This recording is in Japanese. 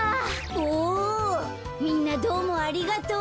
おみんなどうもありがとう。